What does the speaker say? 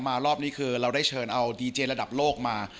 รอบนี้คือเราได้เชิญเอาดีเจระดับโลกมา